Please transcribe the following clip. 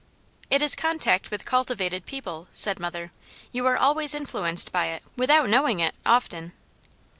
"It is contact with cultivated people," said mother. "You are always influenced by it, without knowing it often."